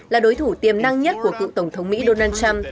là đối thủ tiềm năng nhất của cựu tổng thống mỹ donald trump